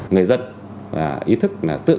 người dân ý thức là tự